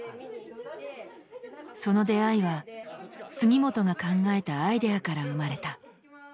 その出会いは杉本が考えたアイデアから生まれた。